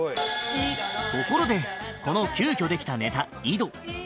ところでこの急遽できたネタ「井戸」